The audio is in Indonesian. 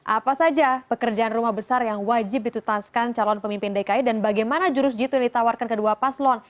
apa saja pekerjaan rumah besar yang wajib ditutaskan calon pemimpin dki dan bagaimana jurus jitu yang ditawarkan kedua paslon